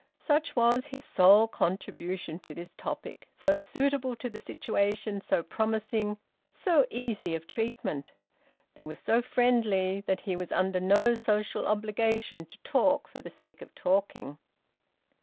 Such was his sole contribution to this topic, so suitable to the situation, so promising, so easy of treatment. They were so friendly that he was under no social obligation to talk for the sake of talking.